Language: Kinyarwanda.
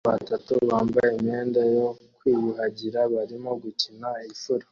Abana batatu bambaye imyenda yo kwiyuhagira barimo gukina ifuro